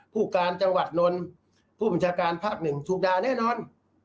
ผู้การจังหวัดนนท์ผู้บัญชาการภาคหนึ่งถูกด่าแน่นอน